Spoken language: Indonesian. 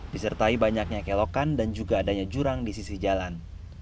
disertai banyaknya kelokan dan juga adanya jurang di sisi jalan